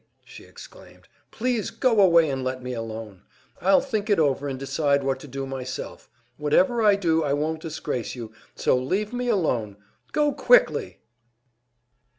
she exclaimed. "Please go away and let me alone. I'll think it over and decide what to do myself. Whatever I do, I won't disgrace you, so leave me alone, go quickly!"